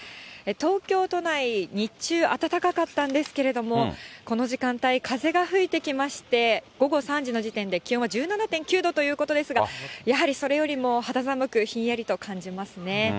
東京都内、日中、暖かかったんですけれども、この時間帯、風が吹いてきまして、午後３時の時点で気温は１７．９度ということですが、やはりそれよりも肌寒く、ひんやりと感じますね。